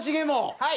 はい！